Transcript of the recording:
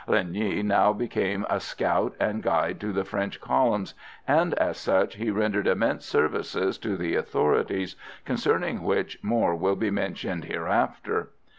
Linh Nghi now became a scout and guide to the French columns, and as such he rendered immense services to the authorities, concerning which more will be mentioned hereafter.